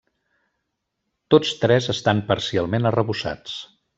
Tots tres estan parcialment arrebossats.